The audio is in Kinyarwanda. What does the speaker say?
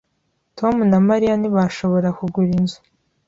Tom na Mariya ntibashobora kugura inzu.